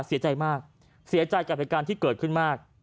เสียใจมากเสียใจกับเหตุการณ์ที่เกิดขึ้นมาก